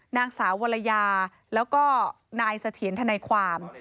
นางสาววรรยาแล้วก็นายเสถียรทนายความ